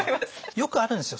よくあるんですよ。